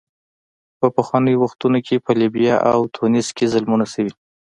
په پخوانیو وختونو کې په لیبیا او تونس کې ظلمونه شوي.